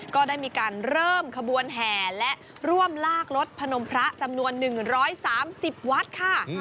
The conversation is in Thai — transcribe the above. ก็ได้มีการเริ่มขบวนแห่และร่วมลากรถพนมพระจำนวน๑๓๐วัดค่ะ